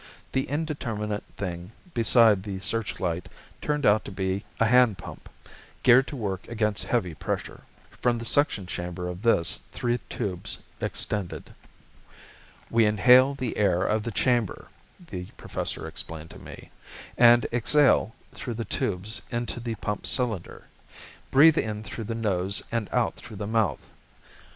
The indeterminate thing beside the searchlight turned out to be a hand pump, geared to work against heavy pressure. From the suction chamber of this three tubes extended. "We inhale the air of the chamber," the Professor explained to me, "and exhale through the tubes into the pump cylinder. Breathe in through the nose and out through the mouth.